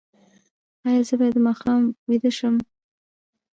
ایا زه باید د ماښام ویده شم؟